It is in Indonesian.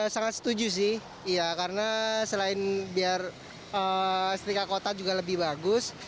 sangat setuju sih karena selain biar setika kota juga lebih bagus